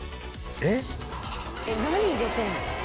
えっ何入れてるの？